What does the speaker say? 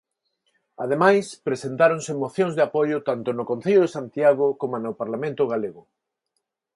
Ademais, presentáronse mocións de apoio tanto no Concello de Santiago coma no Parlamento galego.